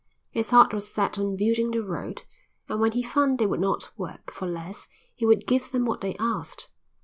His heart was set on building the road and when he found they would not work for less he would give them what they asked.